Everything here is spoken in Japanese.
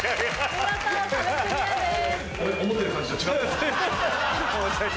見事壁クリアです。